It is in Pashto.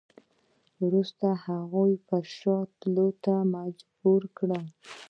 وروسته هغوی پر شا تللو ته مجبور کړ.